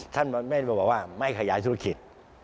ท่านไม่บอกว่าไม่ให้ขยายธุรกิจ